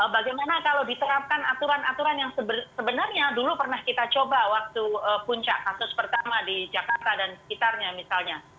bagaimana kalau diterapkan aturan aturan yang sebenarnya dulu pernah kita coba waktu puncak kasus pertama di jakarta dan sekitarnya misalnya